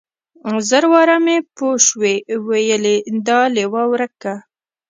زر واره مې پوشوې ويلي دا ليوه ورک که.